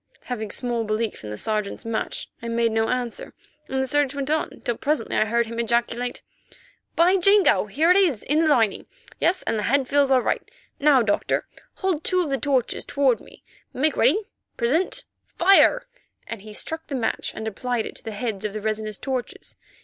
Having small belief in the Sergeant's match, I made no answer, and the search went on till presently I heard him ejaculate: "By Jingo, here it is, in the lining. Yes, and the head feels all right. Now, Doctor, hold two of the torches toward me; make ready, present, fire!" and he struck the match and applied it to the heads of the resinous torches.